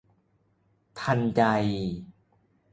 ทันใจ